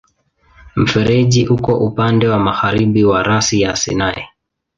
Mfereji uko upande wa magharibi wa rasi ya Sinai.